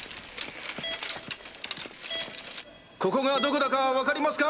ここがどこだか分かりますか？